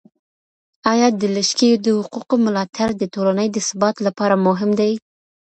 آیا د لږکیو د حقوقو ملاتړ د ټولني د ثبات لپاره مهم دی؟